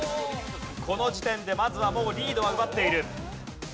この時点でまずはもうリードは奪っている。